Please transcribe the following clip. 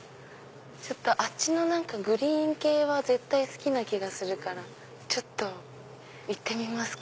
あっちのグリーン系は絶対好きな気がするからちょっと行ってみますか。